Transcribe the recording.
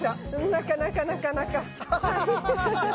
なかなかなかなか。